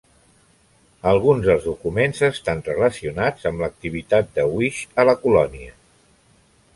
Alguns dels documents estan relacionats amb l'activitat de Wyche a la colònia.